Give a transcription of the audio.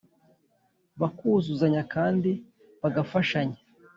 Bakuzuzanya kandi bagafashanya